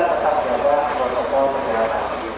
untuk menjaga kesehatan